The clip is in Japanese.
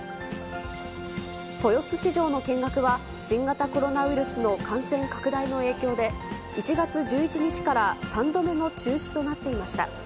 豊洲市場の見学は、新型コロナウイルスの感染拡大の影響で、１月１１日から、３度目の中止となっていました。